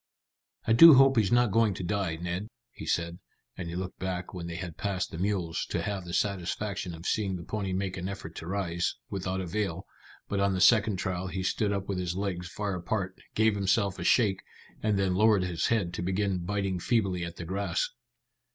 "I do hope he's not going to die, Ned," he said, and he looked back when they had passed the mules, to have the satisfaction of seeing the pony make an effort to rise, without avail, but on the second trial he stood up with his legs far apart, gave himself a shake, and then lowered his head to begin biting feebly at the grass.